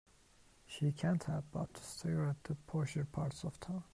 She can't help but to stare at the posher parts of town.